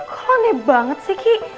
aneh banget sih ki